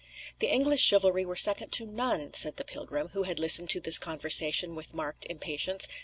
"The English chivalry were second to NONE" said the pilgrim, who had listened to this conversation with marked impatience.